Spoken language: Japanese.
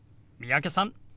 三宅さん